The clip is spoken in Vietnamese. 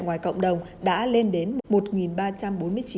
ngoài cộng đồng đã lên đến một ba trăm bốn mươi chín